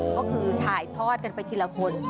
ก็คือถ่ายทอดกันไปทีละคน